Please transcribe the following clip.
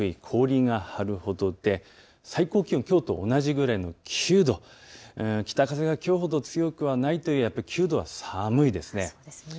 氷が張るほどで最高気温きょうと同じぐらいの９度、北風がきょうほど強くはないということですが９度は寒いです。